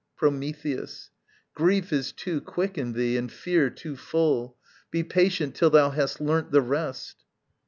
Prometheus. Grief is too quick in thee and fear too full: Be patient till thou hast learnt the rest.